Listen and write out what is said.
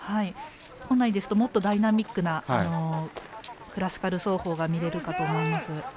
本来ですともっとダイナミックなクラシカル走法が見られると思います。